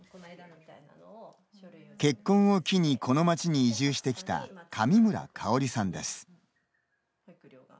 結婚を機にこの町に移住してきた上村かおりさんです